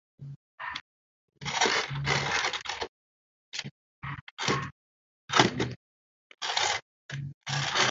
Ko tape ivaipaite.